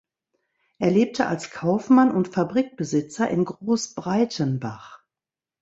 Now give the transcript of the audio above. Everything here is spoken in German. Er lebte als Kaufmann und Fabrikbesitzer in Großbreitenbach.